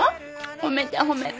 褒めて褒めて。